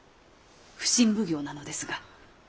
普請奉行なのですが。